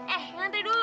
eh ngantri dulu